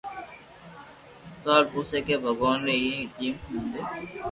سوال پوسي ڪي ڀگوان ري ايتي ھيم دوندي